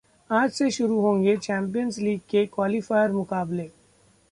आज से शुरू होंगे चैंपियंस लीग के क्वालीफायर मुकाबले